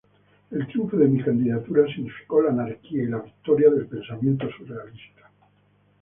El triunfo de mi candidatura significó la anarquía y la victoria del pensamiento surrealista.